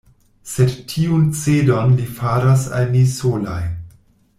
Sed tiun cedon li faras al ni solaj.